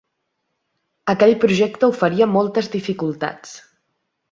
Aquell projecte oferia moltes dificultats.